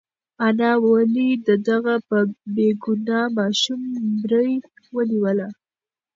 انا ولې د دغه بېګناه ماشوم مرۍ ونیوله؟